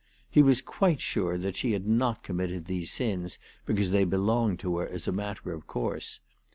He was quite sure that she had not committed these sins because they belonged to her as a matter of course.